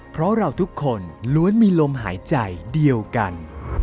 เพราะเราทุกคนล้วนมีลมหายใจเดียวกัน